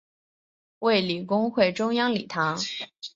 卫理公会中央礼堂。